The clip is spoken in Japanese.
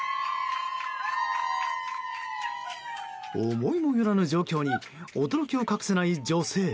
思いもよらぬ状況に驚きを隠せない女性。